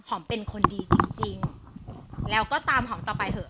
เป็นคนดีจริงแล้วก็ตามหอมต่อไปเถอะ